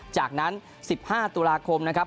จากนั้น๑๕ตุลาคมนะครับ